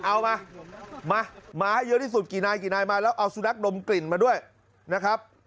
เอามามาให้เยอะที่สุดกี่นายกี่นายมาแล้วเอาสุนัขดมกลิ่นมาด้วยนะครับ